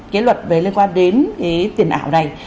cái luật về liên quan đến cái tiền ảo này